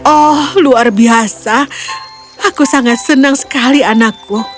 oh luar biasa aku sangat senang sekali anakku